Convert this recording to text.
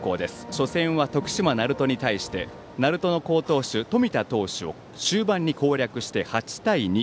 初戦は徳島・鳴門に対して鳴門の好投手、冨田投手を終盤に攻略して８対２。